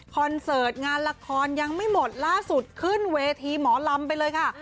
เสิร์ตงานละครยังไม่หมดล่าสุดขึ้นเวทีหมอลำไปเลยค่ะ